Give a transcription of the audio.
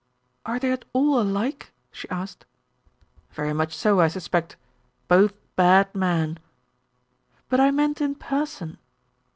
"Are they at all alike?" she asked. "Very much so, I suspect. Both bad men." "But I meant in person."